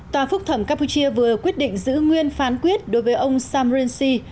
tòa phúc thẩm campuchia vừa quyết định giữ nguyên phán quyết đối với ông sam rensi